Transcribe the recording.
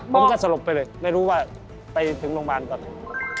ผมก็สลบไปเลยไม่รู้ว่าไปถึงโรงพยาบาลตอนไหน